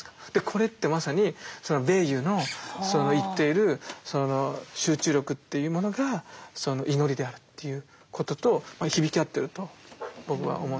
これってまさにヴェイユの言っている集中力っていうものが祈りであるっていうことと響き合ってると僕は思うんですけども。